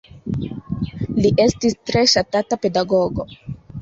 Li estis tre ŝatata pedagogo.